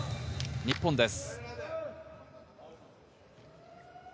日本です。